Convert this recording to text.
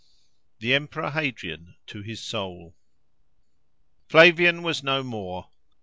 The Emperor Hadrian to his Soul Flavian was no more.